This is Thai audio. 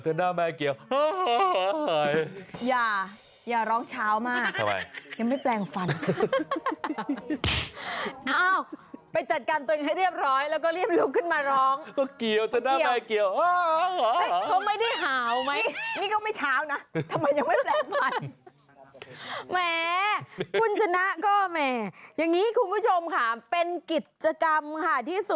เราย่างไง